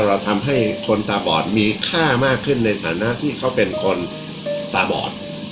เราทำให้คนตาบอดมีค่ามากขึ้นในฐานะที่เขาเป็นคนตาบอด